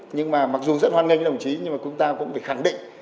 nhưng mà mặc dù rất hoan nghênh với đồng chí nhưng mà chúng ta cũng phải khẳng định